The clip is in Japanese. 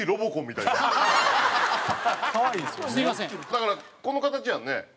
だからこの形やんね？